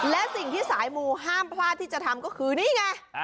และสิ่งที่สายมูห้ามพลาดที่จะทำก็คือนี่ไง